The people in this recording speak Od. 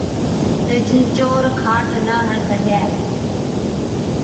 تہ جُون چور کاٽ نہ هڻ سِگھَي،